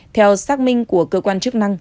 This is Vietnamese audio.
theo xác minh của cơ quan chức năng